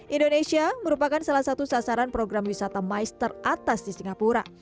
indonesia merupakan salah satu sasaran program wisata mais teratas di singapura